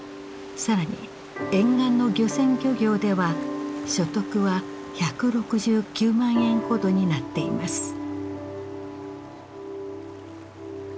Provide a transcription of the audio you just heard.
更に沿岸の漁船漁業では所得は１６９万円ほどになっています。